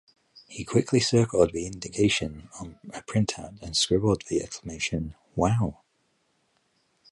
He quickly circled the indication on a printout and scribbled the exclamation Wow!